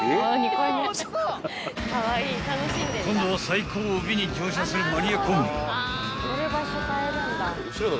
［今度は最後尾に乗車するマニアコンビ］